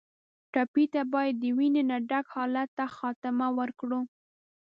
ټپي ته باید د وینې نه ډک حالت ته خاتمه ورکړو.